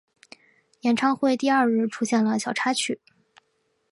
演唱会第二日出现了小插曲。